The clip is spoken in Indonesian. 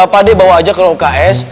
pak d bawa aja ke uks